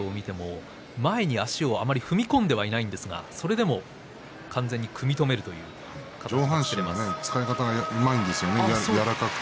立ち合いを見ても前に足をあまり踏み込んでいませんが、それでも完全に組み止めるということです。